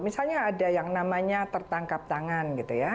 misalnya ada yang namanya tertangkap tangan